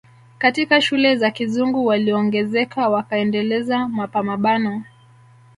Katika shule za kizungu waliongezeka wakaendeleza Mapamabano